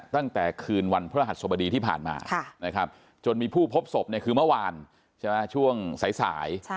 ตั้งแต่คืนวันพระหัสสบดีที่ผ่านมาจนมีผู้พบศพคือเมื่อวานใช่ไหมช่วงสาย